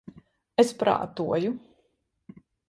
Es prātoju...